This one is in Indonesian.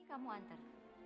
ini kamu antar